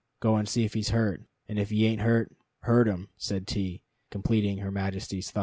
Go and see if he's hurt.'" "'And if he ain't hurt, hurt him,'" said T , completing her Majesty's thought.